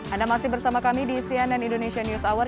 anda masih bersama kami di cnn indonesia news hour